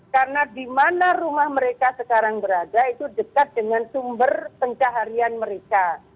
karena di mana rumah mereka sekarang berada itu dekat dengan sumber pencaharian mereka